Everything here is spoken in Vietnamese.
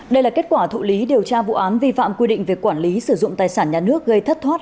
đây là kết quả thụ lý điều tra vụ án vi phạm quy định về quản lý sử dụng tài sản nhà nước gây thất thoát